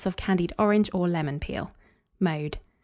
of candied orange or lemon peel. Mode.